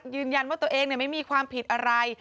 ยืนยันว่าตัวเองไม่มีความผิดอะไร